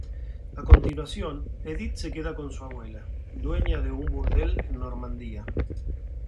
A continuación, Édith se queda con su abuela, dueña de un burdel en Normandía.